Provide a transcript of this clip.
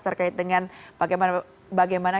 terkait dengan bagaimana